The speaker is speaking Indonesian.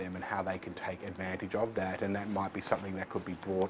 dan itu akan harus datang dari banyak sumber